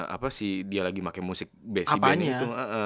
apa sih dia lagi pake musik bass bandnya gitu loh